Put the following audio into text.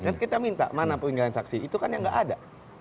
kan kita minta mana panggilan saksi itu kan yang nggak ada